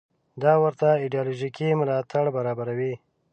دا ورته ایدیالوژیکي ملاتړ برابروي.